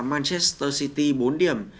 manchester city bốn điểm